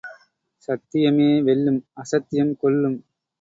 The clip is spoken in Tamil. சத்தியமே வெல்லும், அசத்தியம் கொல்லும்.